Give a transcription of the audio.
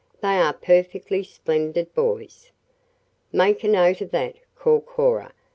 "They are perfectly splendid boys." "Make a note of that," called Cora.